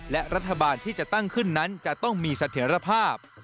และรัฐบาลที่จะตั้งขึ้นนั้นจะต้องมีเสถียรภาพ